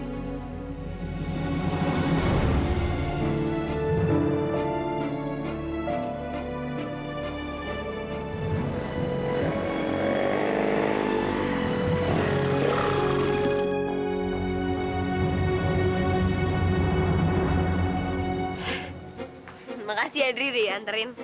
terima kasih adri udah diantarin